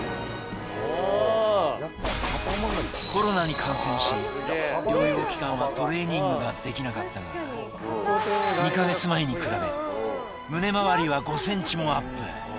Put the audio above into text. コロナに感染し療養期間はトレーニングができなかったが２か月前に比べ胸回りは５ｃｍもアップ